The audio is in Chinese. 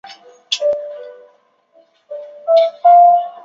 邦奥人口变化图示